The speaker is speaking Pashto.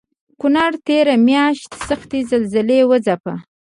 کونړ تېره مياشت سختې زلزلې وځپه